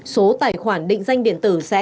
số tài khoản định danh điện tử sẽ tăng từ một đến một